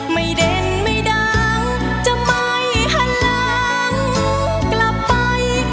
ไม่เด่นไม่ดังจะไปหลังกลับไป